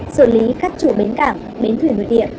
xử lý các chủ bến cảng bến thủy nội địa